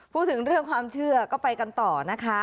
พูดถึงเรื่องความเชื่อก็ไปกันต่อนะคะ